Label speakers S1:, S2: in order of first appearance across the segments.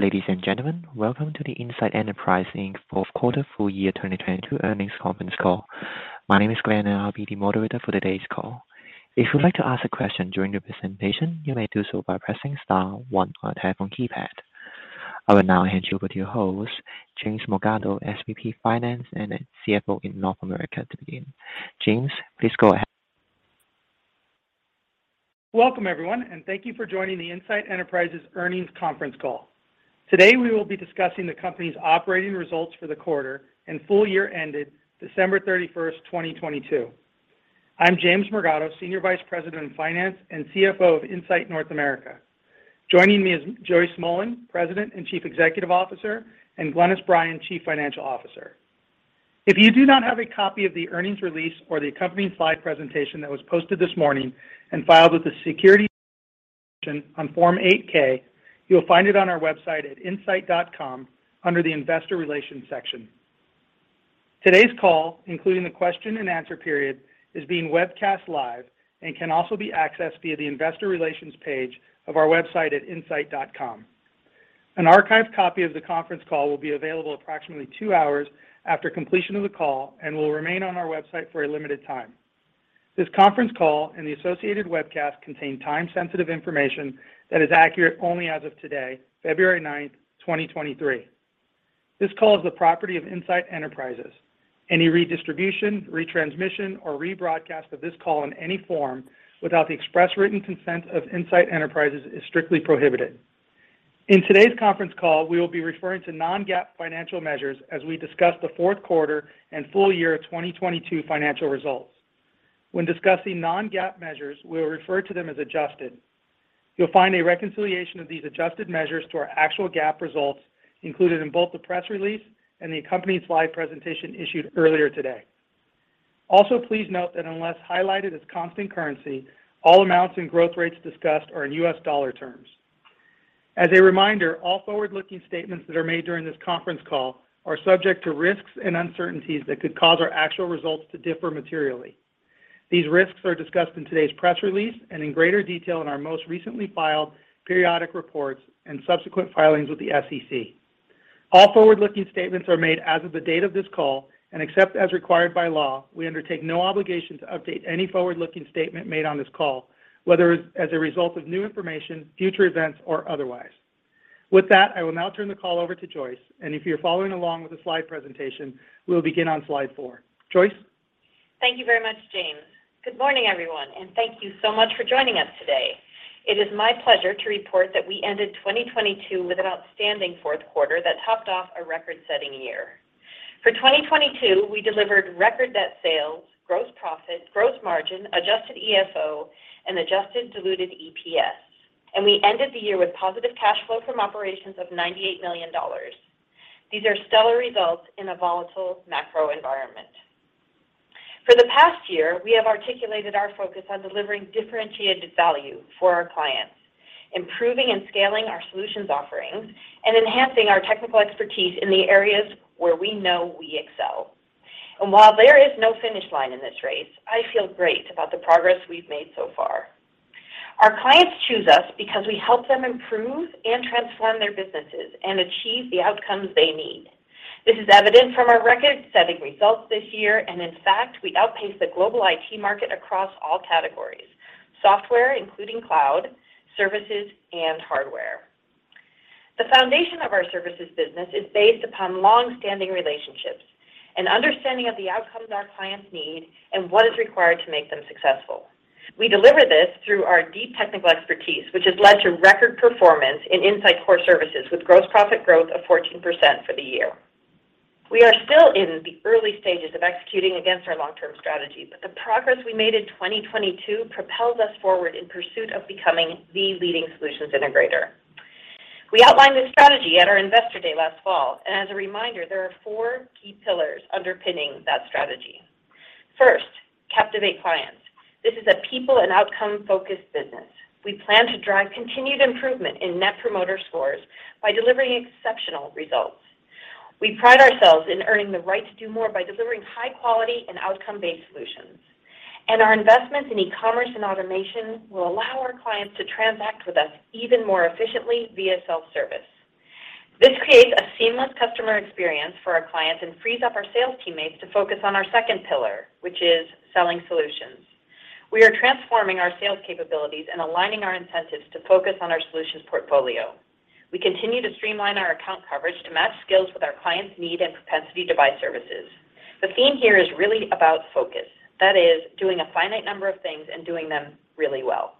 S1: Ladies and gentlemen, welcome to the Insight Enterprises Q4 full year 2022 earnings conference call. My name is Glenn, and I'll be the moderator for today's call. If you'd like to ask a question during the presentation, you may do so by pressing star one on your telephone keypad. I will now hand you over to your host, James Morgado, SVP Finance and CFO in North America to begin. James, please go ahead.
S2: Welcome, everyone, thank you for joining the Insight Enterprises earnings conference call. Today, we will be discussing the company's operating results for the quarter and full year ended December 31, 2022. I'm James Morgado, Senior Vice President of Finance and CFO of Insight North America. Joining me is Joyce Mullen, President and Chief Executive Officer, and Glynis Bryan, Chief Financial Officer. If you do not have a copy of the earnings release or the accompanying slide presentation that was posted this morning and filed with the Securities and Exchange Commission on Form 8-K, you'll find it on our website at insight.com under the Investor Relations section. Today's call, including the question-and-answer period, is being webcast live and can also be accessed via the Investor Relations page of our website at insight.com. An archived copy of the conference call will be available approximately two hours after completion of the call and will remain on our website for a limited time. This conference call and the associated webcast contain time-sensitive information that is accurate only as of today, February 9, 2023. This call is the property of Insight Enterprises. Any redistribution, retransmission, or rebroadcast of this call in any form without the express written consent of Insight Enterprises is strictly prohibited. In today's conference call, we will be referring to non-GAAP financial measures as we discuss the Q4 and full year of 2022 financial results. When discussing non-GAAP measures, we'll refer to them as adjusted. You'll find a reconciliation of these adjusted measures to our actual GAAP results included in both the press release and the accompanied slide presentation issued earlier today. Also, please note that unless highlighted as constant currency, all amounts and growth rates discussed are in U.S. dollar terms. As a reminder, all forward-looking statements that are made during this conference call are subject to risks and uncertainties that could cause our actual results to differ materially. These risks are discussed in today's press release and in greater detail in our most recently filed periodic reports and subsequent filings with the SEC. All forward-looking statements are made as of the date of this call, and except as required by law, we undertake no obligation to update any forward-looking statement made on this call, whether as a result of new information, future events, or otherwise. With that, I will now turn the call over to Joyce, and if you're following along with the slide presentation, we'll begin on slide four. Joyce?
S3: Thank you very much, James. Good morning, everyone. Thank you so much for joining us today. It is my pleasure to report that we ended 2022 with an outstanding Q4 that topped off a record-setting year. For 2022, we delivered record net sales, gross profit, gross margin, adjusted EFO, and adjusted diluted EPS. We ended the year with positive cash flow from operations of $98 million. These are stellar results in a volatile macro environment. For the past year, we have articulated our focus on delivering differentiated value for our clients, improving and scaling our solutions offerings, and enhancing our technical expertise in the areas where we know we excel. While there is no finish line in this race, I feel great about the progress we've made so far. Our clients choose us because we help them improve and transform their businesses and achieve the outcomes they need. This is evident from our record-setting results this year, in fact, we outpaced the global IT market across all categories: software, including cloud, services, and hardware. The foundation of our services business is based upon long-standing relationships and understanding of the outcomes our clients need and what is required to make them successful. We deliver this through our deep technical expertise, which has led to record performance in Insight core services with gross profit growth of 14% for the year. We are still in the early stages of executing against our long-term strategy, the progress we made in 2022 propels us forward in pursuit of becoming the leading solutions integrator. We outlined this strategy at our Investor Day last fall, as a reminder, there are four key pillars underpinning that strategy. First, captivate clients. This is a people and outcome-focused business. We plan to drive continued improvement in Net Promoter Scores by delivering exceptional results. We pride ourselves in earning the right to do more by delivering high quality and outcome-based solutions. Our investments in E-commerce and automation will allow our clients to transact with us even more efficiently via self-service. This creates a seamless customer experience for our clients and frees up our sales teammates to focus on our second pillar, which is selling solutions. We are transforming our sales capabilities and aligning our incentives to focus on our solutions portfolio. We continue to streamline our account coverage to match skills with our clients' need and propensity to buy services. The theme here is really about focus. That is doing a finite number of things and doing them really well.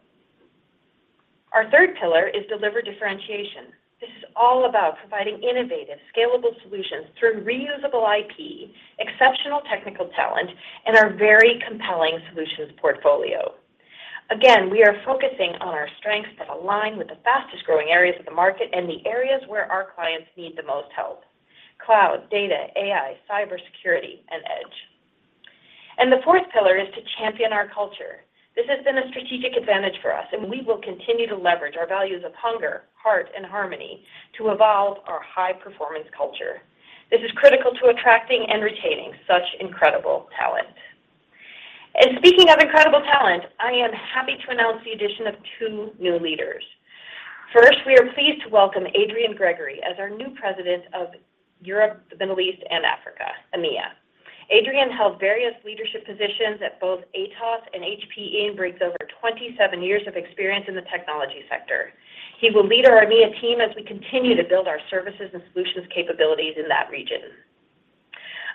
S3: Our third pillar is deliver differentiation. This is all about providing innovative, scalable solutions through reusable IP, exceptional technical talent, and our very compelling solutions portfolio. Again, we are focusing on our strengths that align with the fastest-growing areas of the market and the areas where our clients need the most help: cloud, data, AI, cybersecurity, and edge. The fourth pillar is to champion our culture. This has been a strategic advantage for us, and we will continue to leverage our values of hunger, heart, and harmony to evolve our high-performance culture. This is critical to attracting and retaining such incredible talent. Speaking of incredible talent, I am happy to announce the addition of two new leaders. First, we are pleased to welcome Adrian Gregory as our new President of Europe, the Middle East, and Africa, EMEA. Adrian held various leadership positions at both Atos and HPE, and brings over 27 years of experience in the technology sector. He will lead our EMEA team as we continue to build our services and solutions capabilities in that region.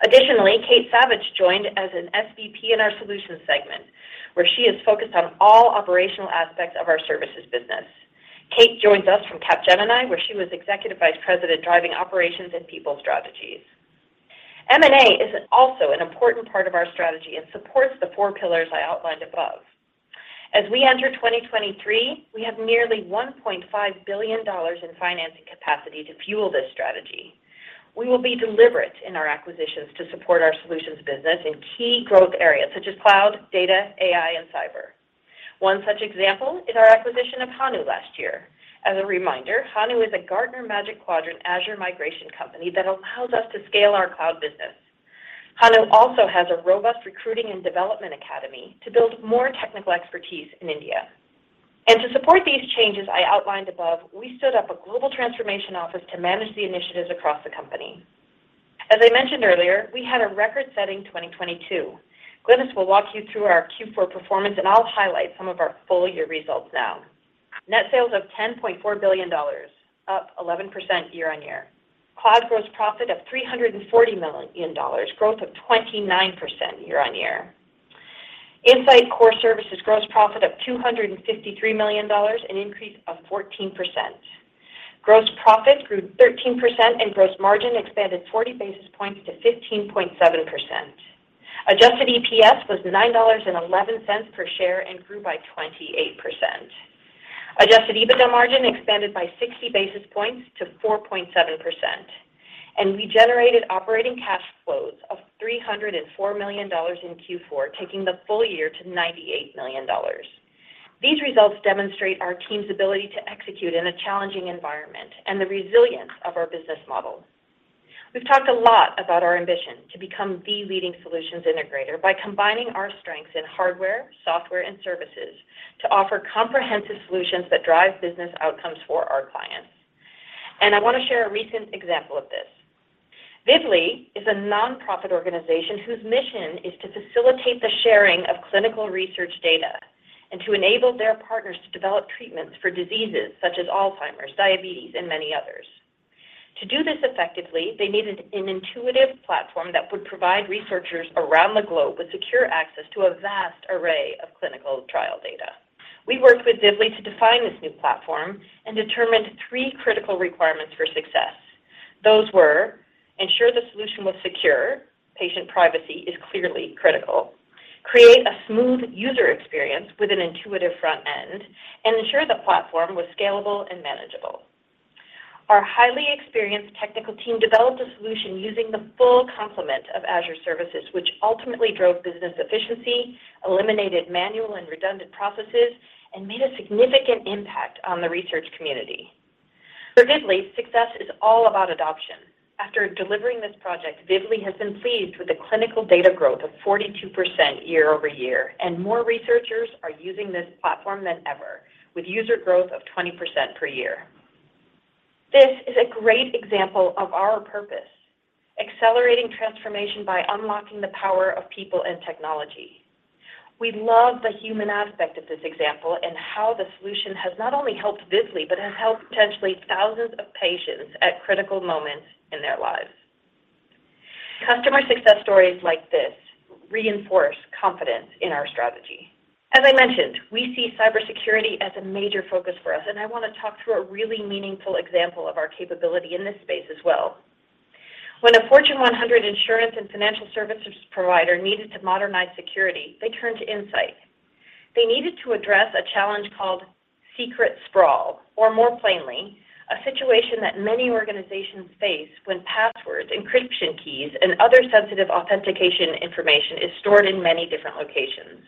S3: Additionally, Kate Savage joined as an SVP in our solutions segment, where she is focused on all operational aspects of our services business. Kate joins us from Capgemini, where she was Executive Vice President driving operations and people strategies. M&A is also an important part of our strategy and supports the four pillars I outlined above. As we enter 2023, we have nearly $1.5 billion in financing capacity to fuel this strategy. We will be deliberate in our acquisitions to support our solutions business in key growth areas such as cloud, data, AI, and cyber. One such example is our acquisition of Hanu last year. As a reminder, Hanu is a Gartner Magic Quadrant Azure migration company that allows us to scale our cloud business. Hanu also has a robust recruiting and development academy to build more technical expertise in India. To support these changes I outlined above, we stood up a global transformation office to manage the initiatives across the company. As I mentioned earlier, we had a record-setting 2022. Glynis will walk you through our Q4 performance, and I'll highlight some of our full-year results now. Net sales of $10.4 billion, up 11% year-on-year. Cloud gross profit of $340 million, growth of 29% year-on-year. Insight core services gross profit of $253 million, an increase of 14%. Gross profit grew 13%, and gross margin expanded 40 basis points to 15.7%. Adjusted EPS was $9.11 per share and grew by 28%. Adjusted EBITDA margin expanded by 60 basis points to 4.7%. We generated operating cash flows of $304 million in Q4, taking the full year to $98 million. These results demonstrate our team's ability to execute in a challenging environment and the resilience of our business model. We've talked a lot about our ambition to become the leading solutions integrator by combining our strengths in hardware, software, and services to offer comprehensive solutions that drive business outcomes for our clients. I want to share a recent example of this. Vivli is a nonprofit organization whose mission is to facilitate the sharing of clinical research data and to enable their partners to develop treatments for diseases such as Alzheimer's, diabetes, and many others. To do this effectively, they needed an intuitive platform that would provide researchers around the globe with secure access to a vast array of clinical trial data. We worked with Vivli to define this new platform and determined three critical requirements for success. Those were ensure the solution was secure, patient privacy is clearly critical, create a smooth user experience with an intuitive front end, and ensure the platform was scalable and manageable. Our highly experienced technical team developed a solution using the full complement of Azure services, which ultimately drove business efficiency, eliminated manual and redundant processes, and made a significant impact on the research community. For Vivli, success is all about adoption. After delivering this project, Vivli has been pleased with the clinical data growth of 42% year-over-year, and more researchers are using this platform than ever, with user growth of 20% per year. This is a great example of our purpose, accelerating transformation by unlocking the power of people and technology. We love the human aspect of this example and how the solution has not only helped Vivli but has helped potentially thousands of patients at critical moments in their lives. Customer success stories like this reinforce confidence in our strategy. As I mentioned, we see cybersecurity as a major focus for us, and I want to talk through a really meaningful example of our capability in this space as well. When a Fortune 100 insurance and financial services provider needed to modernize security, they turned to Insight. They needed to address a challenge called secret sprawl, or more plainly, a situation that many organizations face when passwords, encryption keys, and other sensitive authentication information is stored in many different locations.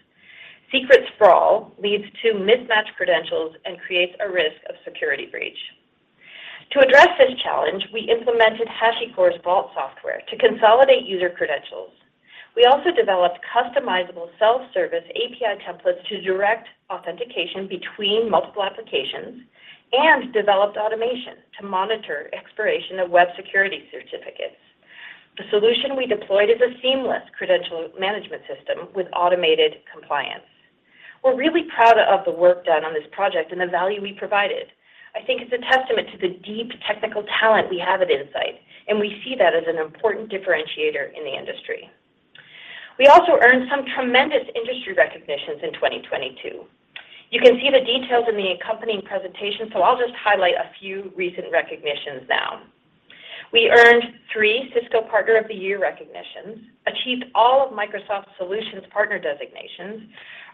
S3: Secret sprawl leads to mismatched credentials and creates a risk of security breach. To address this challenge, we implemented HashiCorp's Vault software to consolidate user credentials. We also developed customizable self-service API templates to direct authentication between multiple applications and developed automation to monitor expiration of web security certificates. The solution we deployed is a seamless credential management system with automated compliance. We're really proud of the work done on this project and the value we provided. I think it's a testament to the deep technical talent we have at Insight, and we see that as an important differentiator in the industry. We also earned some tremendous industry recognitions in 2022. You can see the details in the accompanying presentation, so I'll just highlight a few recent recognitions now. We earned three Cisco Partner of the Year recognitions, achieved all of Microsoft's solutions partner designations,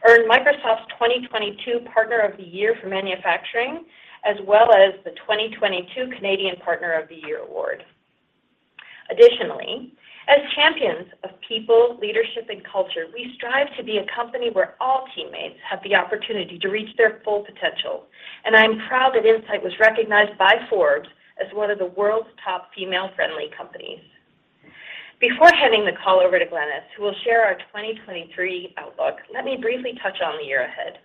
S3: earned Microsoft's 2022 Partner of the Year for manufacturing, as well as the 2022 Canada Partner of the Year award. Additionally, as champions of people, leadership, and culture, we strive to be a company where all teammates have the opportunity to reach their full potential. I am proud that Insight was recognized by Forbes as one of the world's top female-friendly companies. Before handing the call over to Glynis, who will share our 2023 outlook, let me briefly touch on the year ahead.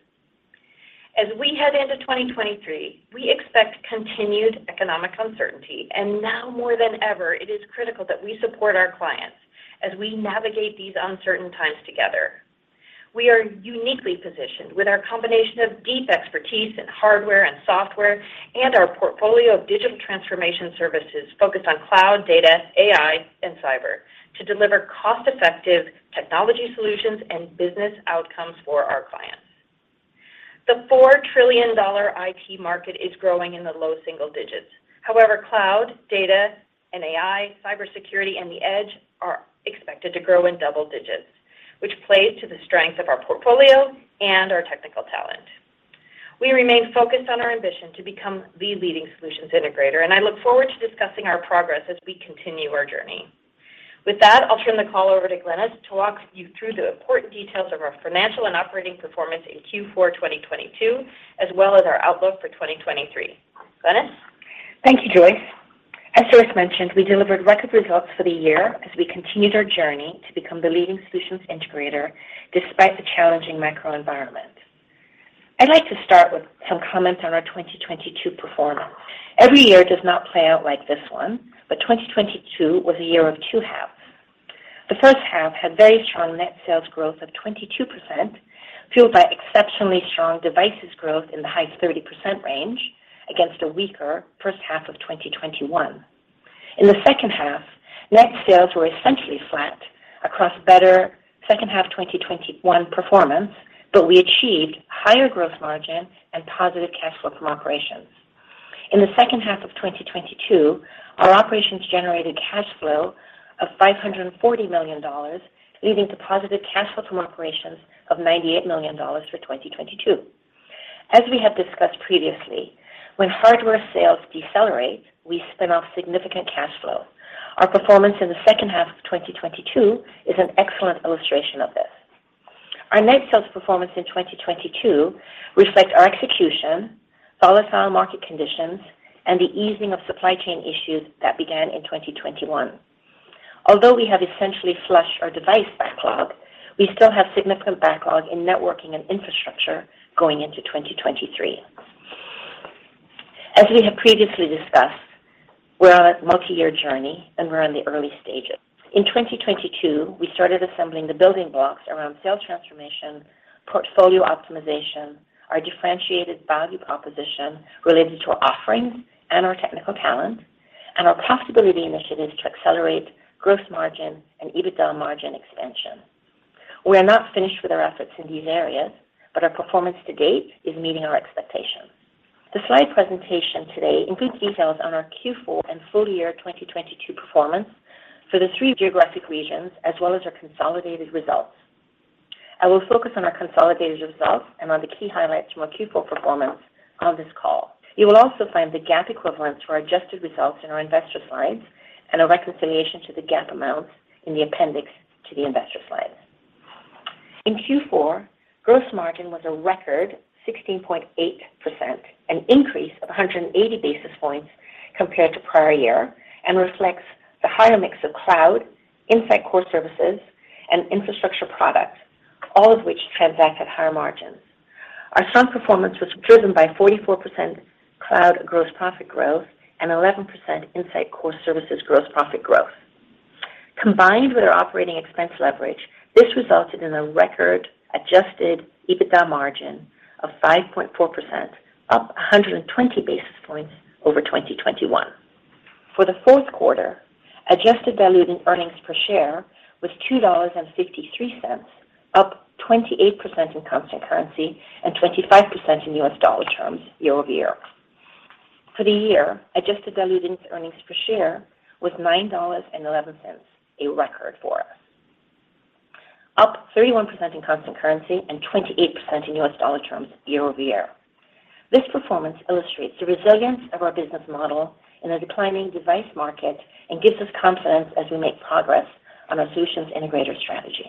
S3: As we head into 2023, we expect continued economic uncertainty, and now more than ever, it is critical that we support our clients as we navigate these uncertain times together. We are uniquely positioned with our combination of deep expertise in hardware and software and our portfolio of digital transformation services focused on cloud, data, AI, and cyber to deliver cost-effective technology solutions and business outcomes for our clients. The $4 trillion IT market is growing in the low single digits.
S4: However, cloud, data, and AI, cybersecurity, and the edge are expected to grow in double digits, which plays to the strength of our portfolio and our technical talent. We remain focused on our ambition to become the leading solutions integrator, and I look forward to discussing our progress as we continue our journey. With that, I'll turn the call over to Glynis to walk you through the important details of our financial and operating performance in Q4 2022, as well as our outlook for 2023. Glynis? Thank you, Joyce. As Joyce mentioned, we delivered record results for the year as we continued our journey to become the leading solutions integrator despite the challenging macro environment. I'd like to start with some comments on our 2022 performance. Every year does not play out like this one, but 2022 was a year of two halves. The first half had very strong net sales growth of 22%, fueled by exceptionally strong devices growth in the high 30% range against a weaker first half of 2021. In the second half, net sales were essentially flat across better second half 2021 performance, but we achieved higher growth margin and positive cash flow from operations. In the second half of 2022, our operations generated cash flow of $540 million, leading to positive cash flow from operations of $98 million for 2022. As we have discussed previously, when hardware sales decelerate, we spin off significant cash flow. Our performance in the second half of 2022 is an excellent illustration of this. Our net sales performance in 2022 reflect our execution, volatile market conditions, and the easing of supply chain issues that began in 2021. Although we have essentially flushed our device backlog, we still have significant backlog in networking and infrastructure going into 2023. As we have previously discussed, we're on a multiyear journey, and we're in the early stages. In 2022, we started assembling the building blocks around sales transformation, portfolio optimization, our differentiated value proposition related to our offerings and our technical talent, and our profitability initiatives to accelerate gross margin and EBITDA margin expansion. We are not finished with our efforts in these areas, but our performance to date is meeting our expectations. The slide presentation today includes details on our Q4 and full year 2022 performance for the three geographic regions, as well as our consolidated results. I will focus on our consolidated results and on the key highlights from our Q4 performance on this call. You will also find the GAAP equivalents for our adjusted results in our investor slides and a reconciliation to the GAAP amounts in the appendix to the investor slides. In Q4, gross margin was a record 16.8%, an increase of 180 basis points compared to prior year, and reflects the higher mix of cloud, Insight core services, and infrastructure products, all of which transact at higher margins. Our strong performance was driven by 44% cloud gross profit growth and 11% Insight core services gross profit growth. Combined with our operating expense leverage, this resulted in a record adjusted EBITDA margin of 5.4%, up 120 basis points over 2021. For the Q4, adjusted diluted earnings per share was $2.53, up 28% in constant currency and 25% in US dollar terms year-over-year. For the year, adjusted diluted earnings per share was $9.11, a record for us, up 31% in constant currency and 28% in US dollar terms year-over-year. This performance illustrates the resilience of our business model in a declining device market and gives us confidence as we make progress on our solutions integrator strategy.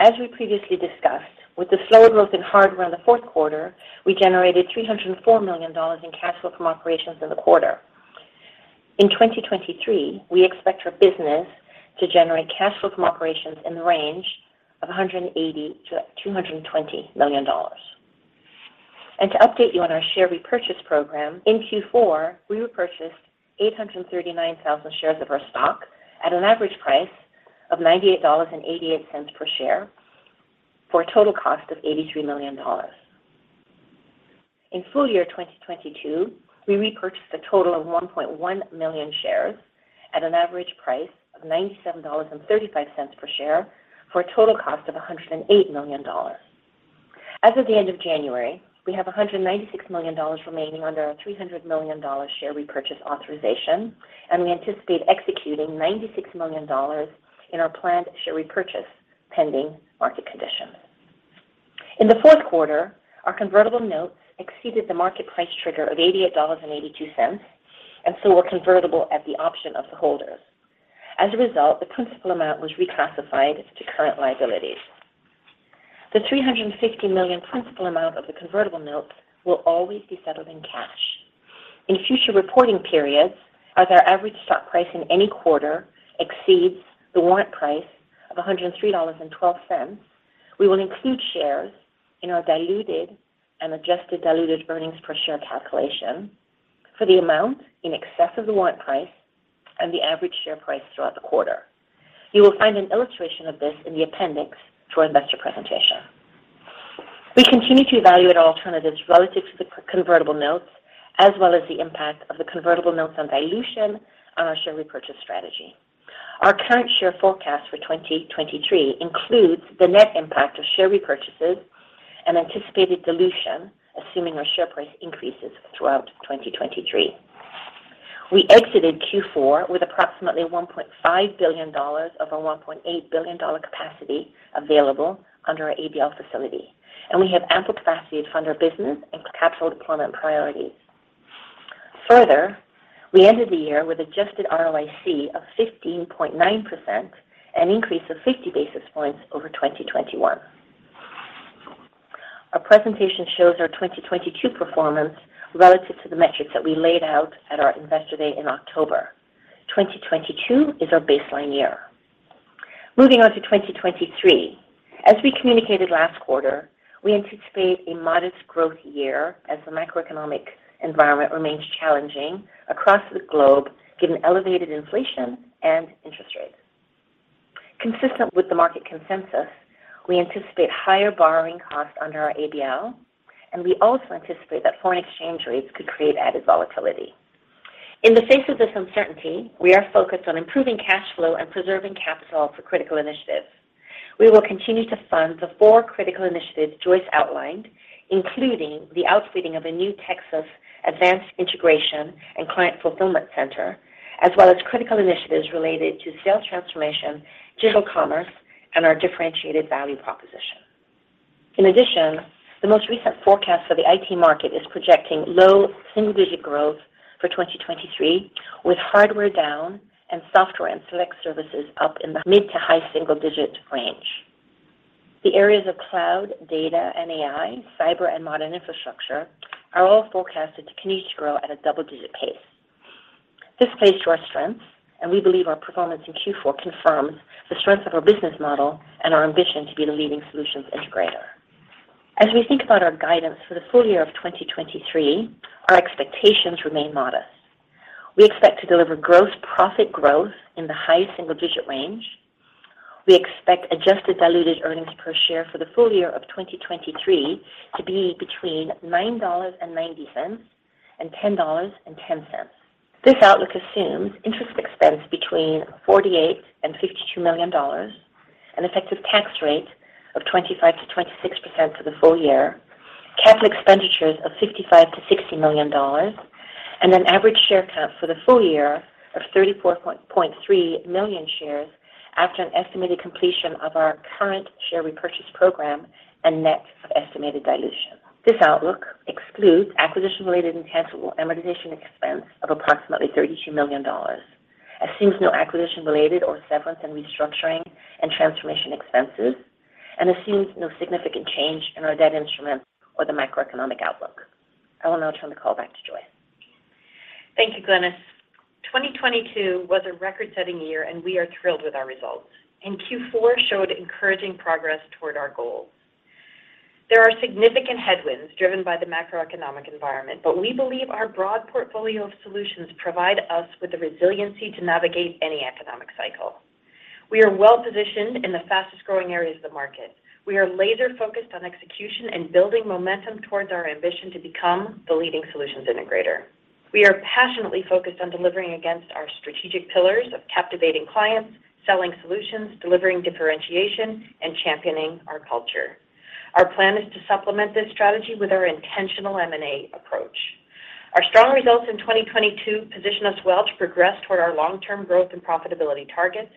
S4: As we previously discussed, with the slower growth in hardware in the Q4, we generated $304 million in cash flow from operations in the quarter. In 2023, we expect our business to generate cash flow from operations in the range of $180 million-$220 million. To update you on our share repurchase program, in Q4, we repurchased 839,000 shares of our stock at an average price of $98.88 per share for a total cost of $83 million. In full year 2022, we repurchased a total of 1.1 million shares at an average price of $97.35 per share for a total cost of $108 million. As of the end of January, we have $196 million remaining under our $300 million share repurchase authorization. We anticipate executing $96 million in our planned share repurchase pending market conditions. In the Q4, our convertible notes exceeded the market price trigger of $88.82 and were convertible at the option of the holders. As a result, the principal amount was reclassified to current liabilities. The $350 million principal amount of the convertible notes will always be settled in cash. In future reporting periods, as our average stock price in any quarter exceeds the warrant price of $103.12, we will include shares in our diluted and adjusted diluted earnings per share calculation for the amount in excess of the warrant price and the average share price throughout the quarter. You will find an illustration of this in the appendix to our investor presentation. We continue to evaluate alternatives relative to the convertible notes as well as the impact of the convertible notes on dilution on our share repurchase strategy. Our current share forecast for 2023 includes the net impact of share repurchases and anticipated dilution, assuming our share price increases throughout 2023. We exited Q4 with approximately $1.5 billion of a $1.8 billion capacity available under our ABL facility, and we have ample capacity to fund our business and capital deployment priorities. Further, we ended the year with adjusted ROIC of 15.9%, an increase of 50 basis points over 2021. Our presentation shows our 2022 performance relative to the metrics that we laid out at our Investor Day in October. 2022 is our baseline year. Moving on to 2023. As we communicated last quarter, we anticipate a modest growth year as the macroeconomic environment remains challenging across the globe given elevated inflation and interest rates. Consistent with the market consensus, we anticipate higher borrowing costs under our ABL, and we also anticipate that foreign exchange rates could create added volatility. In the face of this uncertainty, we are focused on improving cash flow and preserving capital for critical initiatives. We will continue to fund the four critical initiatives Joyce outlined, including the outfitting of a new Texas advanced integration and client fulfillment center, as well as critical initiatives related to sales transformation, digital commerce, and our differentiated value proposition. In addition, the most recent forecast for the IT market is projecting low single-digit growth for 2023, with hardware down and software and select services up in the mid to high single-digit range. The areas of cloud, data and AI, cyber and modern infrastructure are all forecasted to continue to grow at a double-digit pace. This plays to our strengths, and we believe our performance in Q4 confirms the strength of our business model and our ambition to be the leading solutions integrator. As we think about our guidance for the full year of 2023, our expectations remain modest. We expect to deliver gross profit growth in the high single-digit range. We expect adjusted diluted earnings per share for the full year of 2023 to be between $9.90 and $10.10. This outlook assumes interest expense between $48 million and $52 million, an effective tax rate of 25%-26% for the full year, capital expenditures of $55 million-$60 million, and an average share count for the full year of 34.3 million shares after an estimated completion of our current share repurchase program and net of estimated dilution. This outlook excludes acquisition-related intangible amortization expense of approximately $32 million, assumes no acquisition-related or severance and restructuring and transformation expenses, and assumes no significant change in our debt instruments or the macroeconomic outlook. I will now turn the call back to Joyce.
S3: Thank you, Glynis. 2022 was a record-setting year, and we are thrilled with our results, and Q4 showed encouraging progress toward our goals. There are significant headwinds driven by the macroeconomic environment, but we believe our broad portfolio of solutions provide us with the resiliency to navigate any economic cycle. We are well-positioned in the fastest-growing areas of the market. We are laser-focused on execution and building momentum towards our ambition to become the leading solutions integrator. We are passionately focused on delivering against our strategic pillars of captivating clients, selling solutions, delivering differentiation, and championing our culture. Our plan is to supplement this strategy with our intentional M&A approach. Our strong results in 2022 position us well to progress toward our long-term growth and profitability targets.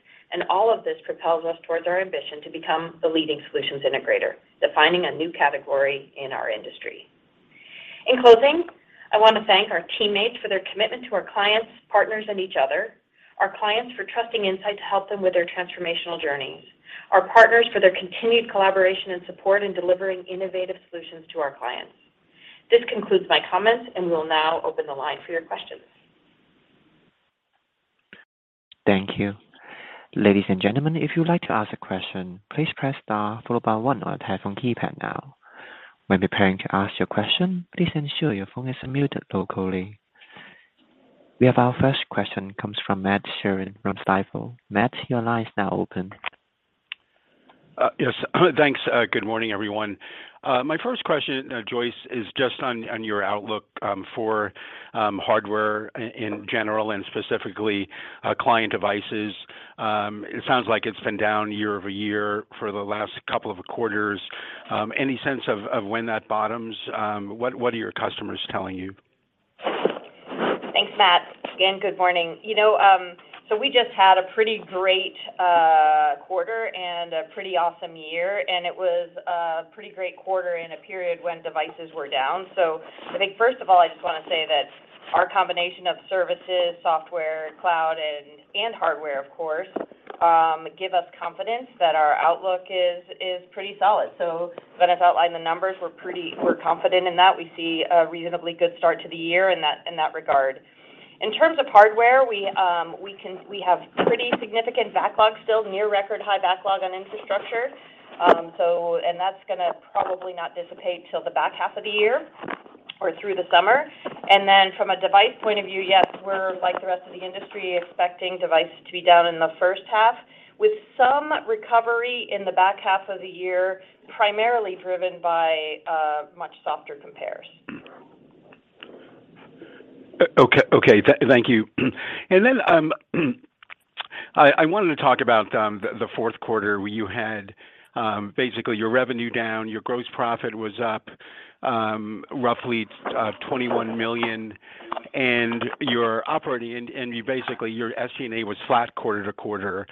S3: All of this propels us towards our ambition to become the leading solutions integrator, defining a new category in our industry. In closing, I want to thank our teammates for their commitment to our clients, partners, and each other, our clients for trusting Insight to help them with their transformational journeys, our partners for their continued collaboration and support in delivering innovative solutions to our clients. This concludes my comments. We'll now open the line for your questions.
S1: Thank you. Ladies and gentlemen, if you'd like to ask a question, please press star followed by one on your telephone keypad now. When preparing to ask your question, please ensure your phone is unmuted locally. We have our first question comes from Matt Sheerin from Stifel. Matt, your line is now open.
S5: Yes. Thanks. Good morning, everyone. My first question, Joyce, is just on your outlook for hardware in general and specifically client devices. It sounds like it's been down year-over-year for the last couple of quarters. Any sense of when that bottoms? What are your customers telling you?
S3: Thanks, Matt. Again, good morning. You know, we just had a pretty great quarter and a pretty awesome year, it was a pretty great quarter in a period when devices were down. I think first of all, I just wanna say that our combination of services, software, cloud, and hardware, of course, give us confidence that our outlook is pretty solid. Glynis has outlined the numbers, we're confident in that. We see a reasonably good start to the year in that, in that regard. In terms of hardware, we have pretty significant backlogs still, near record high backlog on infrastructure. That's gonna probably not dissipate till the back half of the year or through the summer. From a device point of view, yes, we're like the rest of the industry, expecting devices to be down in the first half with some recovery in the back half of the year, primarily driven by much softer compares.
S5: Okay. Thank you. Then, I wanted to talk about the Q4, where you had basically your revenue down, your gross profit was up roughly $21 million, and you basically, your SG&A was flat quarter to quarter,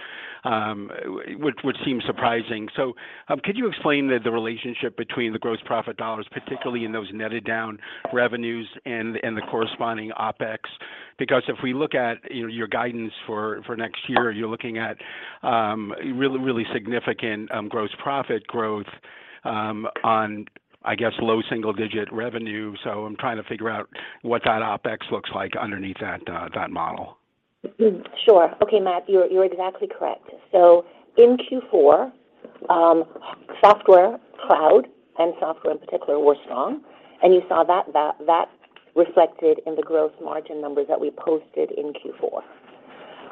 S5: which seems surprising. Could you explain the relationship between the gross profit dollars, particularly in those netted down revenues and the corresponding OpEx? If we look at your guidance for next year, you're looking at really significant gross profit growth on, I guess, low single digit revenue. I'm trying to figure out what that OpEx looks like underneath that model.
S4: Sure. Okay, Matt, you're exactly correct. In Q4, software, cloud, and software in particular were strong. You saw that reflected in the growth margin numbers that we posted in Q4.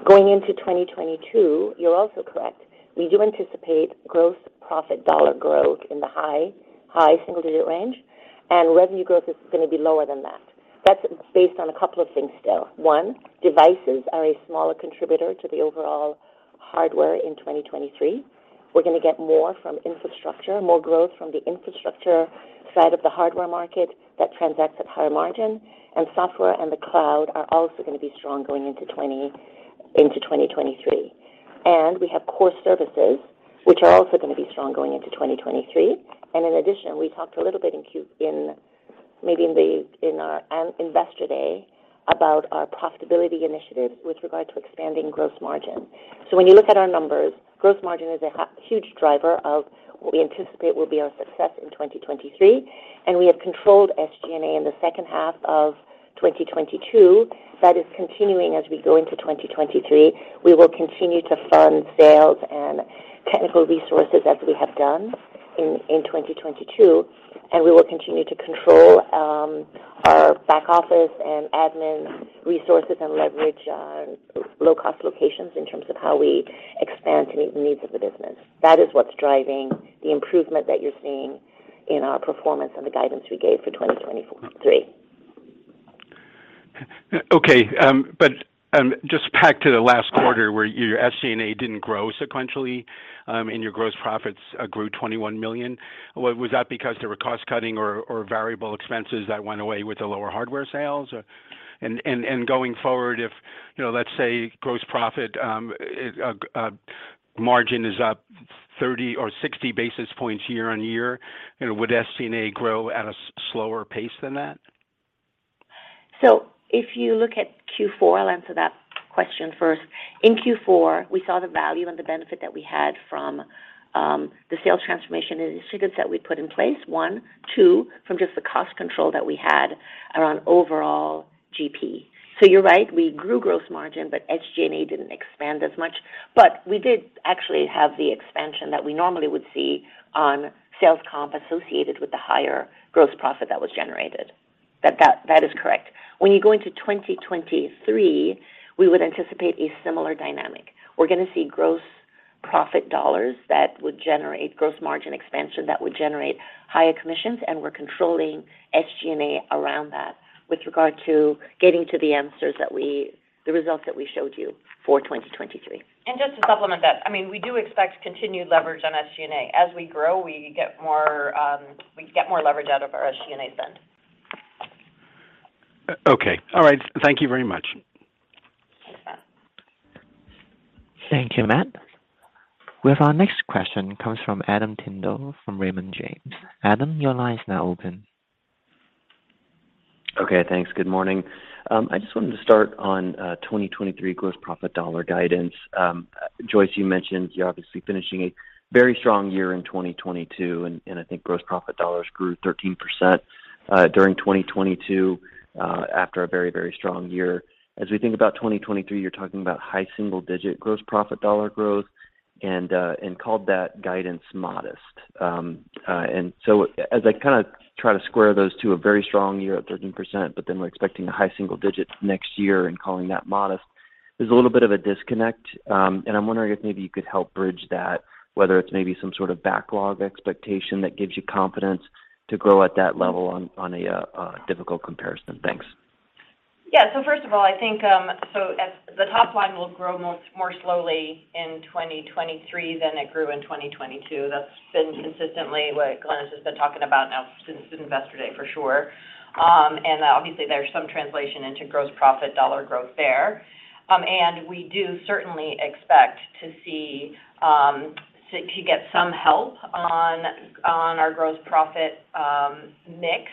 S4: Going into 2022, you're also correct. We do anticipate gross profit dollar growth in the high single-digit range, and revenue growth is gonna be lower than that. That's based on a couple of things still. One, devices are a smaller contributor to the overall hardware in 2023. We're gonna get more from infrastructure, more growth from the infrastructure side of the hardware market that transacts at higher margin. Software and the cloud are also gonna be strong going into 2023. We have core services, which are also gonna be strong going into 2023. In addition, we talked a little bit in our Investor Day about our profitability initiatives with regard to expanding gross margin. When you look at our numbers, gross margin is a huge driver of what we anticipate will be our success in 2023, and we have controlled SG&A in the second half of 2022. That is continuing as we go into 2023. We will continue to fund sales and technical resources as we have done in 2022, we will continue to control our back office and admin resources and leverage low cost locations in terms of how we expand to meet the needs of the business. That is what's driving the improvement that you're seeing in our performance and the guidance we gave for 2023.
S5: Okay, just back to the last quarter where your SG&A didn't grow sequentially, and your gross profits grew $21 million. Was that because there were cost cutting or variable expenses that went away with the lower hardware sales? Going forward, if, you know, let's say gross profit margin is up 30 or 60 basis points year-on-year, you know, would SG&A grow at a slower pace than that?
S4: If you look at Q4, I'll answer that question first. In Q4, we saw the value and the benefit that we had from the sales transformation initiatives that we put in place, one. Two, from just the cost control that we had around overall GP. You're right, we grew gross margin, but SG&A didn't expand as much. We did actually have the expansion that we normally would see on sales comp associated with the higher gross profit that was generated. That is correct. When you go into 2023, we would anticipate a similar dynamic. We're gonna see gross profit dollars that would generate gross margin expansion, that would generate higher commissions, and we're controlling SG&A around that with regard to getting to the results that we showed you for 2023.
S3: Just to supplement that, I mean, we do expect continued leverage on SG&A. As we grow, we get more, we get more leverage out of our SG&A spend.
S5: Okay. All right. Thank you very much.
S3: Thanks, Matt.
S1: Thank you, Matt. We have our next question comes from Adam Tindle from Raymond James. Adam, your line is now open.
S6: Okay. Thanks. Good morning. I just wanted to start on 2023 gross profit dollar guidance. Joyce, you mentioned you're obviously finishing a very strong year in 2022, and I think gross profit dollars grew 13% during 2022 after a very, very strong year. As we think about 2023, you're talking about high single digit gross profit dollar growth and called that guidance modest. As I kinda try to square those two, a very strong year up 13%, we're expecting a high single digits next year and calling that modest, there's a little bit of a disconnect. I'm wondering if maybe you could help bridge that, whether it's maybe some sort of backlog expectation that gives you confidence to grow at that level on a difficult comparison. Thanks.
S3: First of all, I think, as the top line will grow more slowly in 2023 than it grew in 2022. That's been consistently what Glynis has just been talking about now since Investor Day for sure. And obviously there's some translation into gross profit dollar growth there. And we do certainly expect to see to get some help on our gross profit mix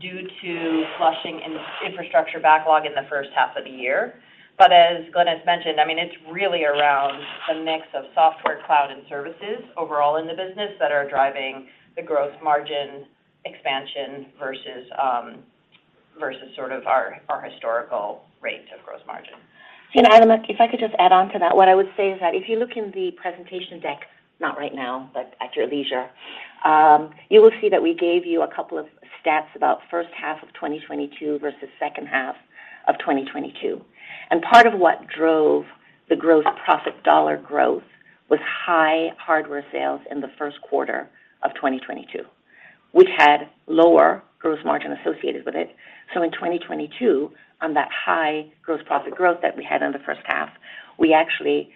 S3: due to flushing in infrastructure backlog in the first half of the year. As Glynis's mentioned, I mean, it's really around the mix of software, cloud, and services overall in the business that are driving the growth margin expansion versus versus sort of our historical rates of gross margin.
S4: Adam, if I could just add on to that, what I would say is that if you look in the presentation deck, not right now, but at your leisure, you will see that we gave you a couple of stats about first half of 2022 versus second half of 2022. Part of what drove the gross profit dollar growth was high hardware sales in the Q1 of 2022. We had lower gross margin associated with it. In 2022, on that high gross profit growth that we had in the first half, we actually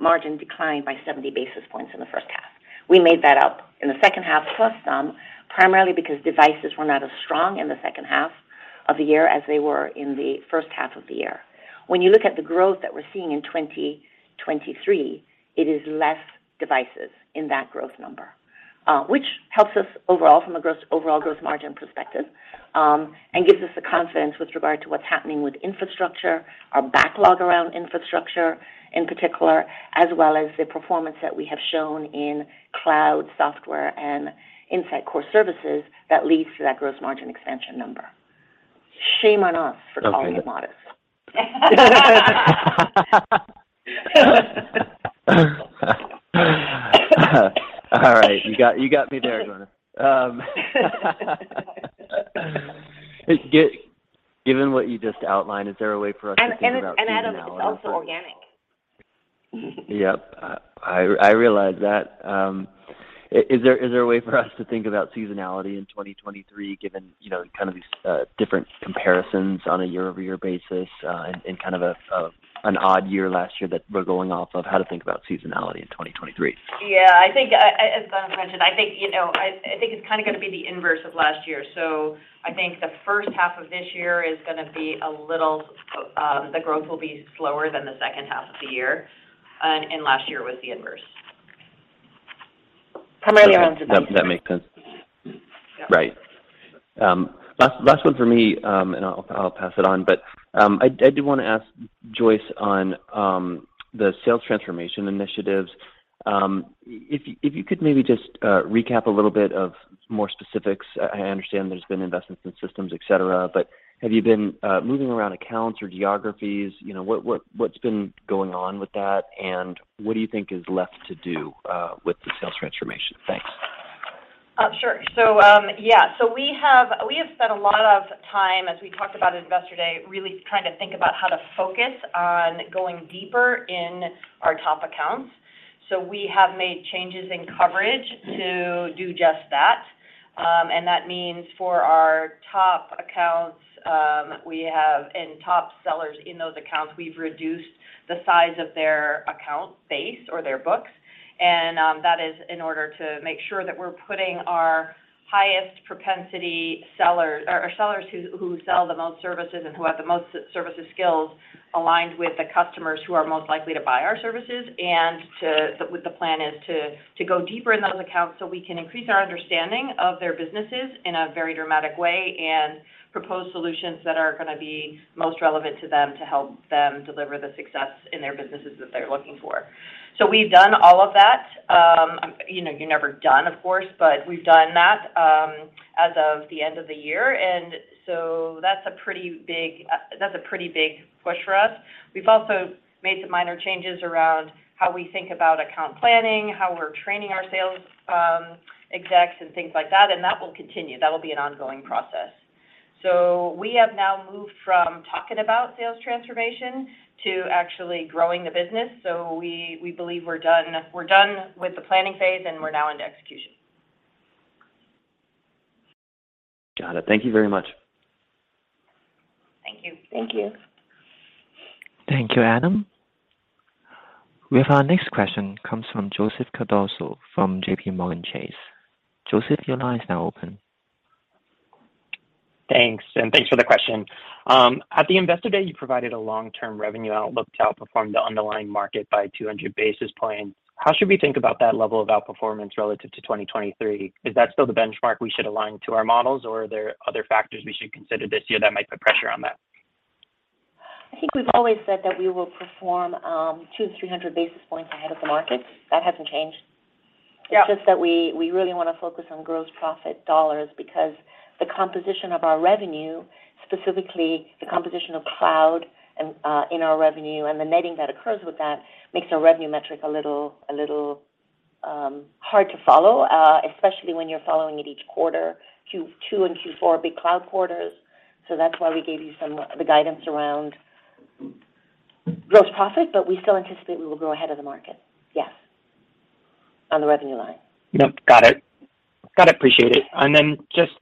S4: margin declined by 70 basis points in the first half. We made that up in the second half plus some, primarily because devices were not as strong in the second half of the year as they were in the first half of the year. When you look at the growth that we're seeing in 2023, it is less devices in that growth number, which helps us overall from an overall growth margin perspective. Gives us the confidence with regard to what's happening with infrastructure, our backlog around infrastructure in particular, as well as the performance that we have shown in cloud software and Insight core services that leads to that gross margin expansion number. Shame on us for calling it modest.
S6: All right. You got, you got me there, Glynis. Given what you just outlined, is there a way for us to think about seasonality-
S4: Adam, it's also organic.
S6: Yep. I realize that. Is there a way for us to think about seasonality in 2023 given, you know, kind of these different comparisons on a year-over-year basis, and kind of an odd year last year that we're going off of how to think about seasonality in 2023?
S3: Yeah. I think, as Glynis mentioned, I think, you know, I think it's kinda gonna be the inverse of last year. I think the first half of this year is gonna be a little, the growth will be slower than the second half of the year. Last year was the inverse.
S6: Primarily around seasonality. That makes sense. Right. Last one for me, I'll pass it on. I do wanna ask Joyce on the sales transformation initiatives. If you could maybe just recap a little bit of more specifics. I understand there's been investments in systems, et cetera, but have you been moving around accounts or geographies? You know, what's been going on with that? What do you think is left to do with the sales transformation? Thanks.
S3: Sure. We have spent a lot of time, as we talked about at Investor Day, really trying to think about how to focus on going deeper in our top accounts. We have made changes in coverage to do just that. That means for our top accounts, and top sellers in those accounts, we've reduced the size of their account base or their books, and that is in order to make sure that we're putting our highest propensity sellers or sellers who sell the most services and who have the most services skills aligned with the customers who are most likely to buy our services. The plan is to go deeper in those accounts so we can increase our understanding of their businesses in a very dramatic way and propose solutions that are gonna be most relevant to them to help them deliver the success in their businesses that they're looking for. We've done all of that. You know, you're never done, of course, but we've done that as of the end of the year. That's a pretty big push for us. We've also made some minor changes around how we think about account planning, how we're training our sales execs and things like that. That will continue. That will be an ongoing process. We have now moved from talking about sales transformation to actually growing the business. We believe we're done with the planning phase. We're now into execution.
S6: Got it. Thank you very much.
S3: Thank you.
S4: Thank you.
S1: Thank you, Adam. We have our next question comes from Joseph Cardoso from JPMorgan Chase. Joseph, your line is now open.
S7: Thanks, thanks for the question. At the Investor Day, you provided a long-term revenue outlook to outperform the underlying market by 200 basis points. How should we think about that level of outperformance relative to 2023? Is that still the benchmark we should align to our models, or are there other factors we should consider this year that might put pressure on that?
S4: I think we've always said that we will perform, 200 to 300 basis points ahead of the market. That hasn't changed.
S3: Yeah.
S4: It's just that we really wanna focus on gross profit dollars because the composition of our revenue, specifically the composition of cloud and in our revenue and the netting that occurs with that makes our revenue metric a little hard to follow, especially when you're following it each quarter. Q2 and Q4 are big cloud quarters, so that's why we gave you the guidance around gross profit. We still anticipate we will grow ahead of the market. Yes. On the revenue line.
S7: Yep. Got it. Got it. Appreciate it. Then just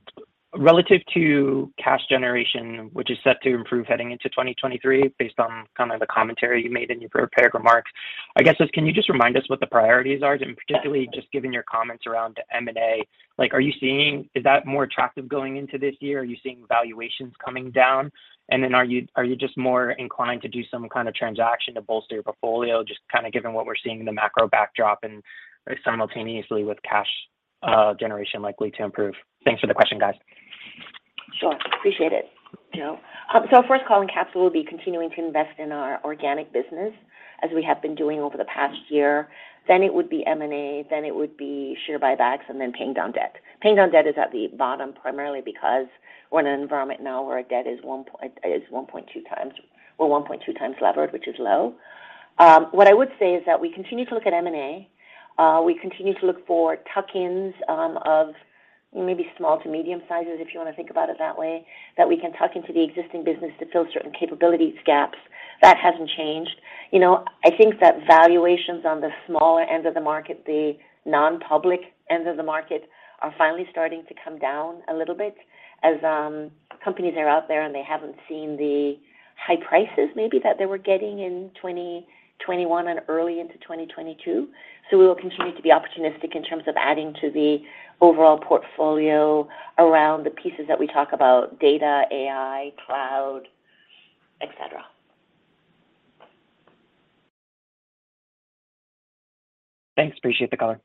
S7: relative to cash generation, which is set to improve heading into 2023 based on kind of the commentary you made in your prepared remarks, I guess just can you just remind us what the priorities are? Particularly just given your comments around M&A, like, is that more attractive going into this year? Are you seeing valuations coming down? Are you just more inclined to do some kind of transaction to bolster your portfolio just kind of given what we're seeing in the macro backdrop and simultaneously with cash generation likely to improve? Thanks for the question, guys.
S4: Sure. Appreciate it, Joe. First call in Capital will be continuing to invest in our organic business as we have been doing over the past year. It would be M&A, it would be share buybacks, and then paying down debt. Paying down debt is at the bottom primarily because we're in an environment now where debt is 1.2 times or 1.2 times levered, which is low. What I would say is that we continue to look at M&A. We continue to look for tuck-ins of maybe small to medium sizes, if you wanna think about it that way, that we can tuck into the existing business to fill certain capabilities gaps. That hasn't changed. You know, I think that valuations on the smaller end of the market, the non-public end of the market, are finally starting to come down a little bit as companies are out there, and they haven't seen the high prices maybe that they were getting in 2021 and early into 2022. We will continue to be opportunistic in terms of adding to the overall portfolio around the pieces that we talk about, data, AI, cloud, et cetera.
S7: Thanks. Appreciate the color.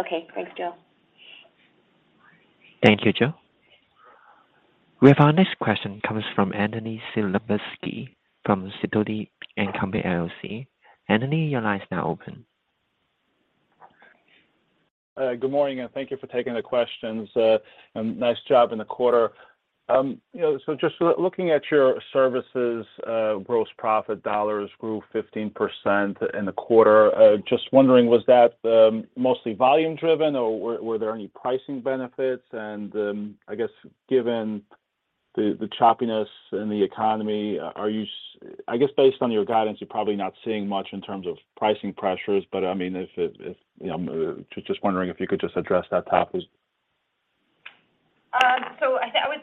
S4: Okay. Thanks, Joe.
S1: Thank you, Joe. We have our next question comes from Anthony Lebiedzinski from Sidoti & Company, LLC. Anthony, your line is now open.
S8: Good morning, thank you for taking the questions. Nice job in the quarter. You know, just looking at your services, gross profit dollars grew 15% in the quarter. Just wondering, was that mostly volume driven, or were there any pricing benefits? I guess given the choppiness in the economy, I guess based on your guidance, you're probably not seeing much in terms of pricing pressures. I mean, if it, if, you know, just wondering if you could just address that topic.
S3: I would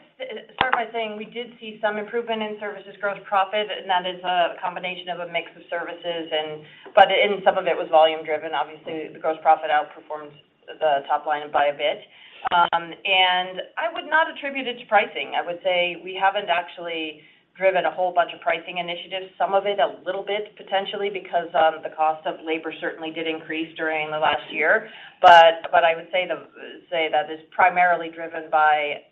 S3: start by saying we did see some improvement in services gross profit, and that is a combination of a mix of services. Some of it was volume driven. Obviously, the gross profit outperformed the top line by a bit. I would not attribute it to pricing. I would say we haven't actually driven a whole bunch of pricing initiatives. Some of it a little bit potentially because the cost of labor certainly did increase during the last year. I would say that it's primarily driven by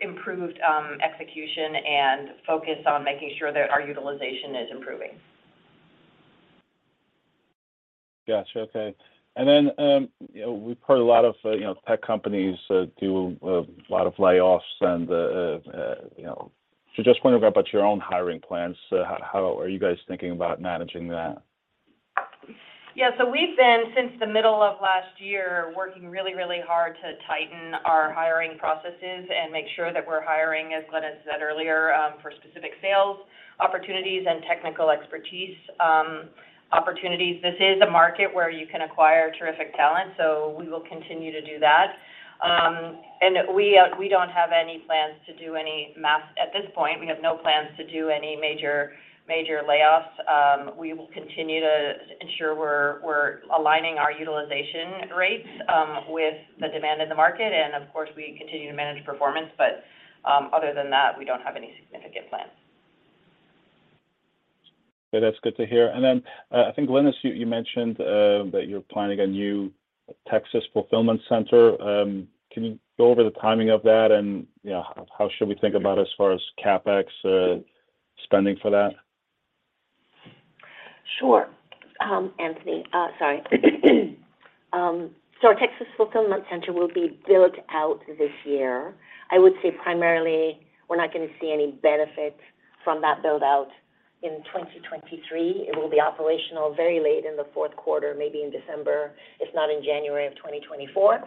S3: improved execution and focus on making sure that our utilization is improving.
S8: Gotcha. Okay. You know, we've heard a lot of, you know, tech companies, do a lot of layoffs and, you know. Just wondering about your own hiring plans. How are you guys thinking about managing that?
S3: Yeah. We've been, since the middle of last year, working really, really hard to tighten our hiring processes and make sure that we're hiring, as Glynis said earlier, for specific sales opportunities and technical expertise, opportunities. This is a market where you can acquire terrific talent, we will continue to do that. At this point, we have no plans to do any major layoffs. We will continue to ensure we're aligning our utilization rates with the demand in the market. Of course, we continue to manage performance. Other than that, we don't have any significant plans.
S8: Okay. That's good to hear. Then, I think, Glynis, you mentioned that you're planning a new Texas fulfillment center. Can you go over the timing of that? You know, how should we think about as far as CapEx spending for that?
S4: Sure. Anthony. Sorry. Our Texas fulfillment center will be built out this year. I would say primarily we're not gonna see any benefit from that build-out in 2023. It will be operational very late in the Q4, maybe in December, if not in January of 2024.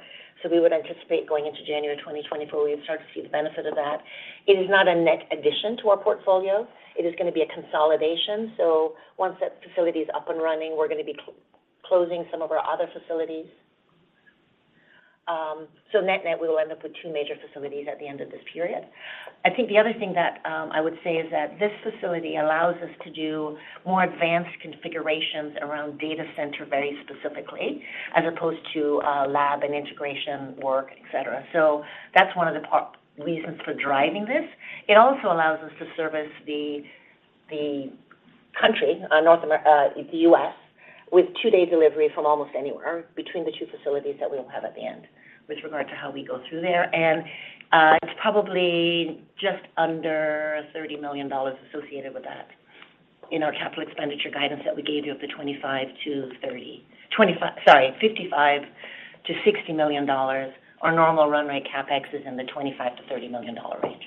S4: We would anticipate going into January 2024, we'll start to see the benefit of that. It is not a net addition to our portfolio. It is gonna be a consolidation. Once that facility is up and running, we're gonna be closing some of our other facilities. Net-net, we will end up with two major facilities at the end of this period. I think the other thing that I would say is that this facility allows us to do more advanced configurations around data center very specifically as opposed to lab and integration work, et cetera. That's one of the reasons for driving this. It also allows us to service the country, the US, with 2-day delivery from almost anywhere between the two facilities that we'll have at the end with regard to how we go through there. It's probably just under $30 million associated with that in our capital expenditure guidance that we gave you of the $25-$30 million. Sorry, $55-$60 million. Our normal run rate CapEx is in the $25-$30 million range.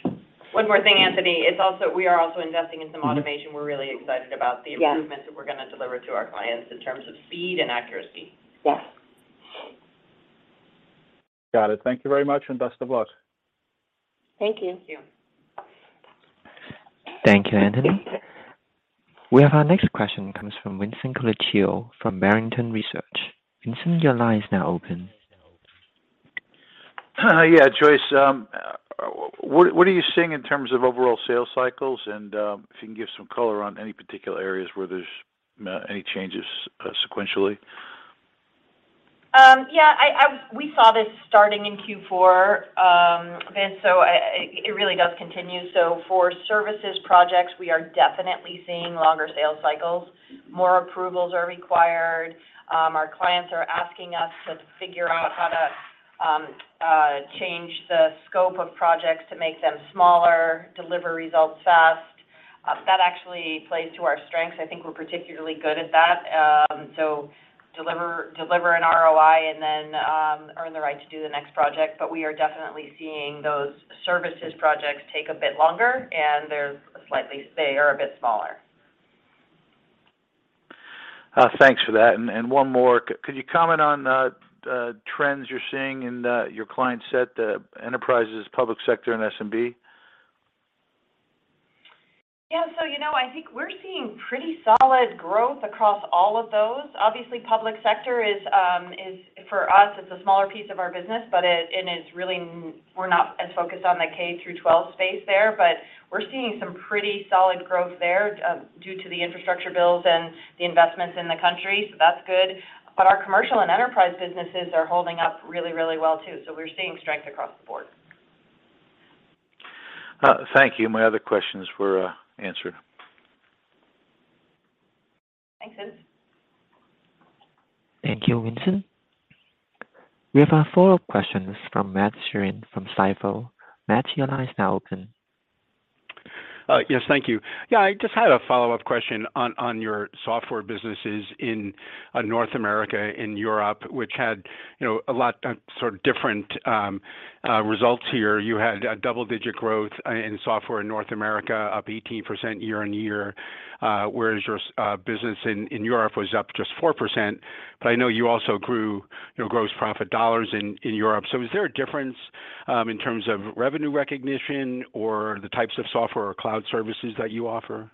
S3: One more thing, Anthony. We are also investing in some automation. We're really excited about.
S4: Yes...
S3: improvements that we're gonna deliver to our clients in terms of speed and accuracy.
S4: Yes.
S8: Got it. Thank you very much, and best of luck.
S3: Thank you.
S1: Thank you, Anthony. We have our next question comes from Vincent Colicchio from Barrington Research. Vincent, your line is now open.
S9: Yeah, Joyce, what are you seeing in terms of overall sales cycles? If you can give some color on any particular areas where there's any changes sequentially?
S3: Yeah. We saw this starting in Q4. It really does continue. For services projects, we are definitely seeing longer sales cycles. More approvals are required. Our clients are asking us to figure out how to change the scope of projects to make them smaller, deliver results fast. That actually plays to our strengths. I think we're particularly good at that. Deliver an ROI and then earn the right to do the next project. We are definitely seeing those services projects take a bit longer, and they are a bit smaller.
S9: Thanks for that. One more. Could you comment on the trends you're seeing in your client set, the enterprises, public sector, and SMB?
S3: Yeah. You know, I think we're seeing pretty solid growth across all of those. Obviously, public sector is for us, it's a smaller piece of our business, and it's really we're not as focused on the K through 12 space there. We're seeing some pretty solid growth there due to the infrastructure bills and the investments in the country. That's good. Our commercial and enterprise businesses are holding up really, really well too. We're seeing strength across the board.
S9: Thank you. My other questions were answered.
S3: Thanks, Vince.
S1: Thank you, Vincent. We have a follow-up questions from Matt Sheerin from Stifel. Matt, your line is now open.
S5: Yes. Thank you. Yeah. I just had a follow-up question on your software businesses in North America and Europe, which had, you know, a lot, sort of different results here. You had double digit growth in software in North America, up 18% year-over-year, whereas your business in Europe was up just 4%. I know you also grew your gross profit dollars in Europe. Is there a difference in terms of revenue recognition or the types of software or cloud services that you offer?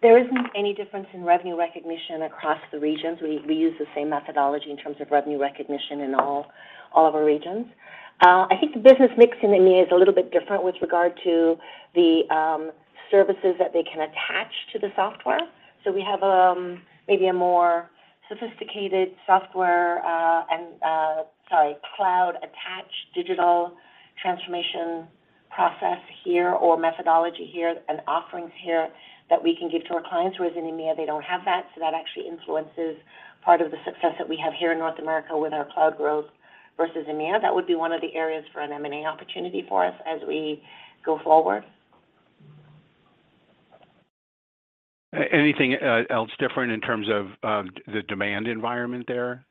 S3: There isn't any difference in revenue recognition across the regions. We use the same methodology in terms of revenue recognition in all of our regions. I think the business mix in EMEA is a little bit different with regard to the services that they can attach to the software. We have maybe a more sophisticated software and Sorry, cloud attached digital transformation process here or methodology here and offerings here that we can give to our clients. Whereas in EMEA, they don't have that. That actually influences part of the success that we have here in North America with our cloud growth versus EMEA. That would be one of the areas for an M&A opportunity for us as we go forward.
S5: Anything else different in terms of the demand environment there?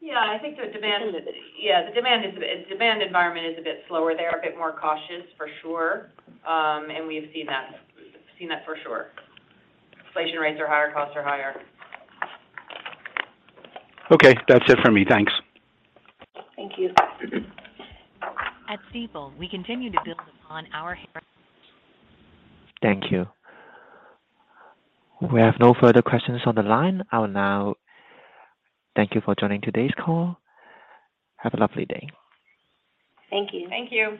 S3: Yeah. I think the demand- In the- Yeah, demand environment is a bit slower. They're a bit more cautious for sure. We've seen that for sure. Inflation rates are higher, costs are higher.
S5: Okay. That's it for me. Thanks.
S3: Thank you.
S1: Thank you. We have no further questions on the line. I'll now thank you for joining today's call. Have a lovely day.
S3: Thank you. Thank you.